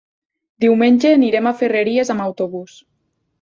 Diumenge anirem a Ferreries amb autobús.